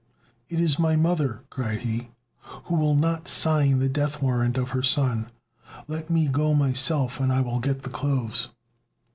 "It is my mother," cried he, "who will not sign the death warrant of her son. Let me go myself and I will get the clothes."